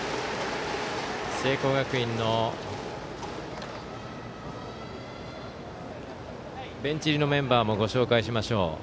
聖光学院のベンチ入りのメンバーをご紹介しましょう。